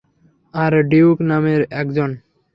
আর Duke নামে একজন।